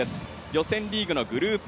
予選リーグのグループ